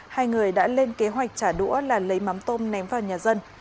hai người đã lên kế hoạch trả đũa là lấy mắm tôm ném vào nhà dân